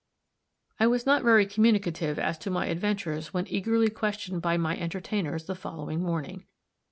I was not very communicative as to my adventures when eagerly questioned by my entertainers the following morning.